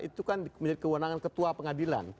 itu kan menjadi kewenangan ketua pengadilan